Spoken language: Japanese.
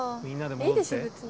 いいでしょ別に。